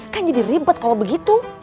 kan jadi ribet kalau begitu